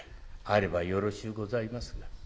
あればよろしゅうございますが。